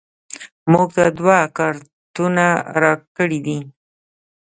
موږ ته دوه کارتونه راکړیدي